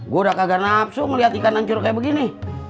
gue udah kagak nafsu melihat ikan hancur kayak begini